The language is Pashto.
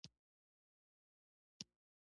د یو څه ترسره کېدو لپاره توپير لرونکي نظرونه.